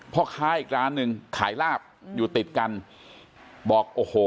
พ่อค้าอีกร้านหนึ่งขายลาบอยู่ติดกันบอกโอ้โห